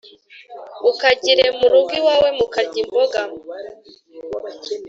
ukagire mu rugo iwawe mukarya imboga